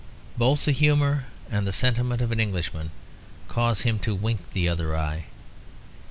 Both the humour and the sentiment of an Englishman cause him to wink the other eye.